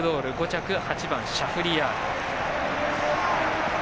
５着、８番、シャフリヤール。